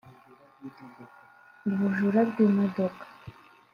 ubujura bw’ imodoka